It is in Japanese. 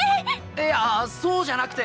いやそうじゃなくて。